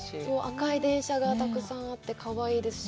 赤い電車がたくさんあって、かわいいですし。